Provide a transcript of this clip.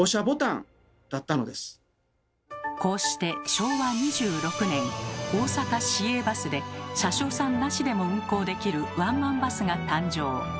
こうして昭和２６年大阪市営バスで車掌さんなしでも運行できるワンマンバスが誕生。